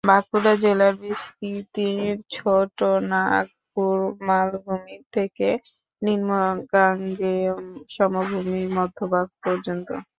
বাঁকুড়া জেলার বিস্তৃতি ছোটনাগপুর মালভূমি থেকে নিম্ন গাঙ্গেয় সমভূমির মধ্যভাগ পর্যন্ত।